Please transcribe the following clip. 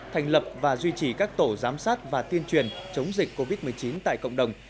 thành lập và duy trì các tổ giám sát và tiên truyền chống dịch covid một mươi chín tại cộng đồng